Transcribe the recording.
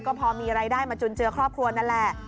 ก็พอมีรายได้มาจุนเจือครอบครัวนั่นแหละ